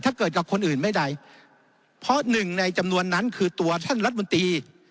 ถ้าเกิดกับคนอื่นไม่ได้เพราะหนึ่งในจำนวนนั้นคือตัวท่านรัฐมนตรี